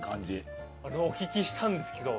お聞きしたんですけど。